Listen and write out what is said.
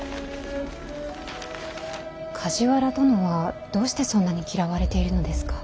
梶原殿はどうしてそんなに嫌われているのですか。